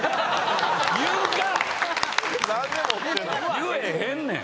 言えへんねん！